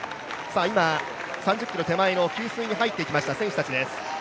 今、３０ｋｍ手前の給水に入ってきました、選手たちです。